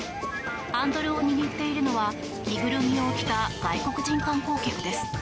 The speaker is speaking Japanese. ハンドルを握っているのは着ぐるみを着ている外国人観光客です。